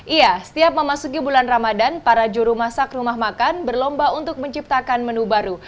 iya setiap memasuki bulan ramadan para juru masak rumah makan berlomba untuk menciptakan menu baru